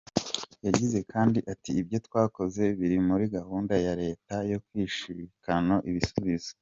Yagize kandi ati,"Ibyo twakoze biri muri gahunda ya Leta yo kwishakano ibisubizo.